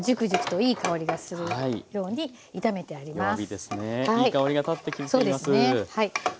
いい香りが立ってきています。